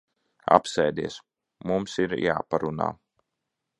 Apsēdies. Mums ir jāparunā.